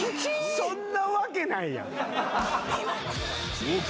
そんなわけないやん。